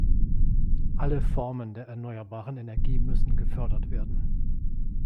Alle Formen der erneuerbaren Energie müssen gefördert werden.